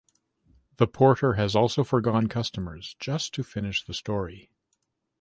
The porter had also forgone customers just to finish the story.